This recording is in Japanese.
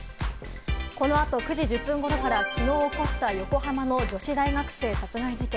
この後、９時１０分頃から、きのう起こった横浜の女子大学生殺害事件。